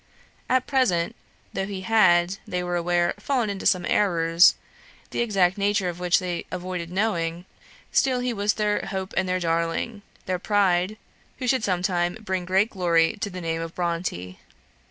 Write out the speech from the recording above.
At present, though he had, they were aware, fallen into some errors, the exact nature of which they avoided knowing, still he was their hope and their darling; their pride, who should some time bring great glory to the name of Bronte.